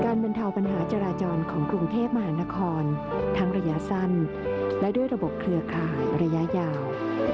บรรเทาปัญหาจราจรของกรุงเทพมหานครทั้งระยะสั้นและด้วยระบบเครือข่ายระยะยาว